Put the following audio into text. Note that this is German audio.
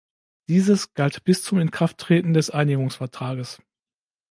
Dieses galt bis zum Inkrafttreten des Einigungsvertrages.